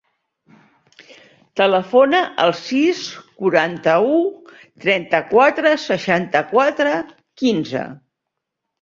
Telefona al sis, quaranta-u, trenta-quatre, seixanta-quatre, quinze.